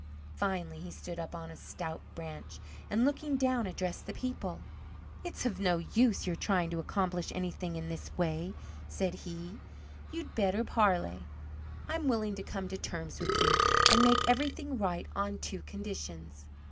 Finally he stood up on a stout branch, and, looking down, addressed the people. "It's of no use, your trying to accomplish anything in this way," said he; "you'd better parley. I'm willing to come to terms with you, and make everything right on two conditions."